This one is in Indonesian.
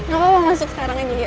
gak apa apa masuk sekarang aja yuk